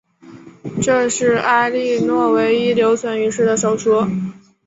这是埃莉诺唯一留存于世的手书。